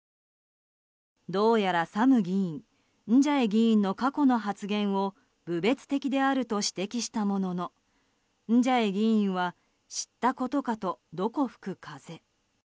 どうやらサム議員ンジャエ議員の過去の発言を侮蔑的であると指摘したもののンジャエ議員は知ったことかと、どこ吹く風。